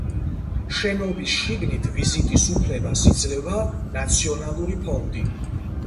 შენობის შიგნით ვიზიტის უფლებას იძლევა ნაციონალური ფონდი.